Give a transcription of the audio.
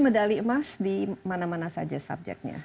medali emas di mana mana saja subjeknya